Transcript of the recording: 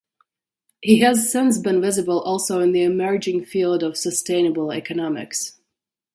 He has since been visible also in the emerging field of sustainable economics.